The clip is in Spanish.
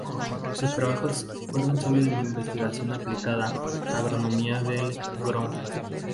Sus trabajos fueron solo en investigación aplicada: agronomía del gro.